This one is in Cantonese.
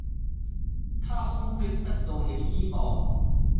她空隙得到了倚傍